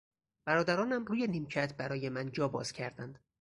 برادرانم روی نیمکت برای من جا باز کردند.